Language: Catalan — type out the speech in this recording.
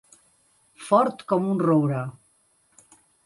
Fort com un roure.